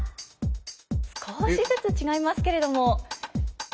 少しずつ違いますけれども。